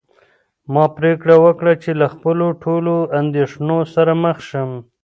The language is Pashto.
ما پرېکړه وکړه چې له خپلو ټولو اندېښنو سره مخ شم.